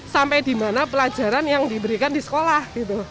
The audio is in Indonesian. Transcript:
sampai di mana pelajaran yang diberikan di sekolah